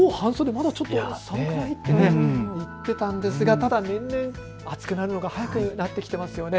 まだちょっと寒くないって言っていたんですがただ年々、暑くなるのが早くなってきていますよね。